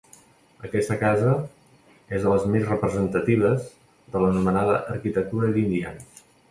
Aquesta casa és de les més representatives de l'anomenada arquitectura d'indians.